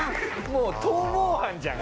もう逃亡犯じゃん！